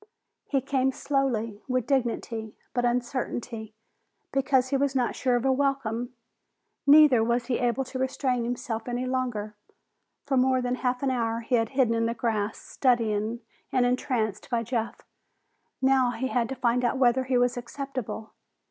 He came slowly, with dignity, but uncertainly, because he was not sure of a welcome. Neither was he able to restrain himself any longer. For more than a half hour he had hidden in the grass, studying and entranced by Jeff. Now he had to find out whether he was acceptable.